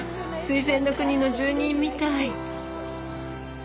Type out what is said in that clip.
水仙の国の住人みたい。